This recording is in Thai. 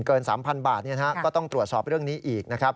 เกิน๓๐๐๐บาทต้องตรวจสอบเรื่องนี้อีก